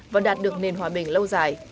và đạt được nền hòa bình lâu dài